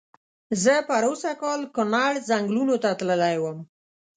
زه پرو سږ کال کونړ ځنګلونو ته تللی وم.